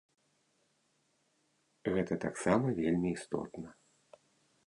Гэта таксама вельмі істотна.